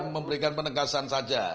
memberikan penegasan saja